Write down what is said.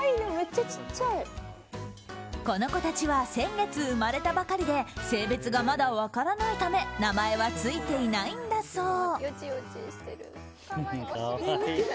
この子たちは先月生まれたばかりで性別がまだ分からないため名前はついていないんだそう。